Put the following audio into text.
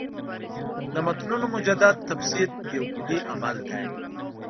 د متنونو مجدد تفسیر یو کُلي عمل دی.